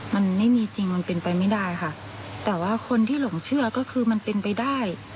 มันไม่มีจริงมันเป็นไปไม่ได้ค่ะแต่ว่าคนที่หลงเชื่อก็คือมันเป็นไปได้